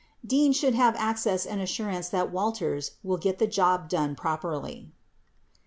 9 Dean should have access and assurance that Walters will get the job done properly !